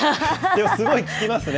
すごい効きますね。